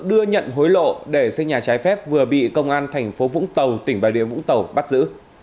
đưa nhận hối lộ để xây nhà trái phép vừa bị công an thành phố vũng tàu tỉnh bà điều vũng tàu bắt giữ